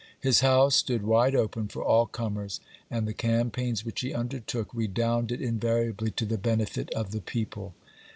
His house stood wide open for all comers, and the campaigns which he undertook redounded invariably to the benefit of the people.